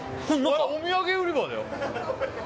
お土産売り場だよ。